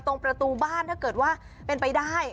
ตรงประตูบ้านถ้าเกิดว่าเป็นไปได้